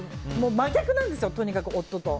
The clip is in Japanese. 真逆なんですよ、とにかく夫と。